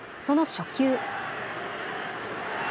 その初球。